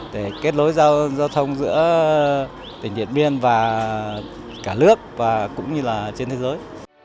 để kết nối giao thông giữa tỉnh điện biên và cả nước và cũng như là trên thế giới